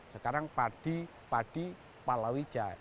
sekarang padi padi palawija